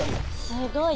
すごい。